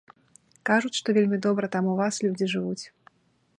Кажуць, што вельмі добра там у вас людзі жывуць.